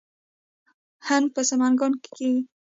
هنګ په سمنګان کې کیږي